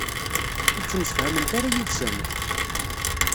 Ur ttemsefhament ara yid-sen?